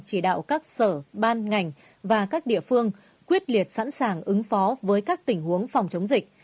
chỉ đạo các sở ban ngành và các địa phương quyết liệt sẵn sàng ứng phó với các tình huống phòng chống dịch